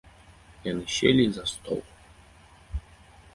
Яны селі за стол.